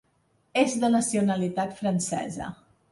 És de nacionalitat francesa.